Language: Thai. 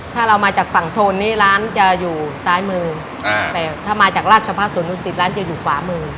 ถ้าเรามาจากฝั่งธรณ์นี้ร้านจะอยู่ซ้ายมืออ่าแต่ถ้ามาจากราชภาพศูนย์ศูนย์ศิษย์ร้านจะอยู่ขวามือ